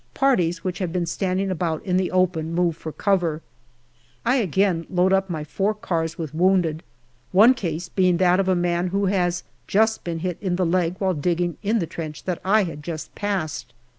Parties which have been standing about in the open move for cover. I again load up my four cars with wounded, one case being that of a man who has just been hit in the leg while digging in the trench that I had just passed.